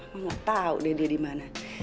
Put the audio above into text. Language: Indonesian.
mama tau deh dia dimana